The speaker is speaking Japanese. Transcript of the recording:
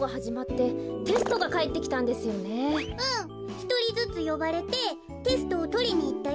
ひとりずつよばれてテストをとりにいったよ。